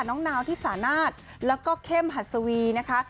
นาวที่สานาศแล้วก็เข้มหัสวีนะคะ